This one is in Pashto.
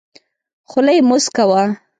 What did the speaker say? خوله یې موسکه وه .